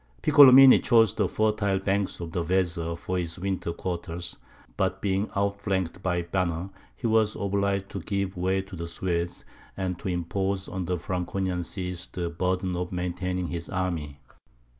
Piccolomini chose the fertile banks of the Weser for his winter quarters; but being outflanked by Banner, he was obliged to give way to the Swedes, and to impose on the Franconian sees the burden of maintaining his army.